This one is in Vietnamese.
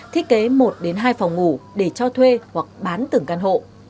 thiết kế một hai phòng ngủ để cho thuê hoặc bán từng căn hộ